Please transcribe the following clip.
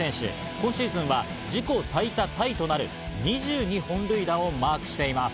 今シーズンは自己最多タイとなる２２本塁打をマークしています。